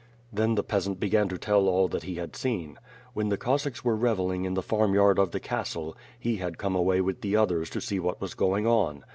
Then the peasant began to tell all that he had seen. When the Cossacks were revelling in the farmyard of the castle, he had come away with the others to see what was going on.